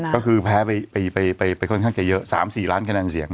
ก็คือแพ้ไปค่อนข้างจะเยอะ๓๔ล้านคะแนนเสียง